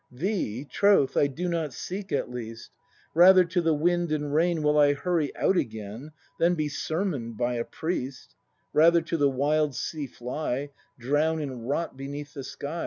Thee, Troth, I do not seek, at least! Rather to the wind and rain Will I hurry out again. Than be sermon'd by a priest; Rather to the wild sea fly. Drown and rot beneath the sky.